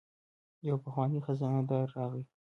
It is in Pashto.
یو پخوانی خزانه دار راغی.